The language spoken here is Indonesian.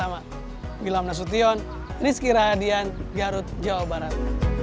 wilam nasution rizky radian garut jawa barat